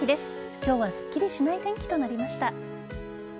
今日はすっきりしない天気となりました。